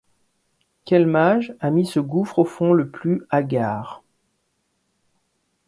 Quel mage, a mis ce gouffre au fond le plus hagard